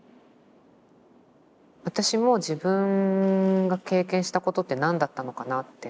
私も自分が経験したことって何だったのかなって